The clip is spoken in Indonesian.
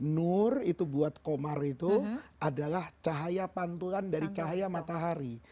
nur itu buat komar itu adalah cahaya pantulan dari cahaya matahari